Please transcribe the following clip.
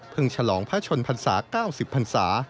เพิ่งฉลองพระชนภรรษา๙๐ภรรษา